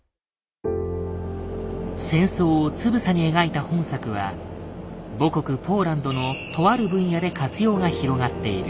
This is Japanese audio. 戦争をつぶさに描いた本作は母国ポーランドのとある分野で活用が広がっている。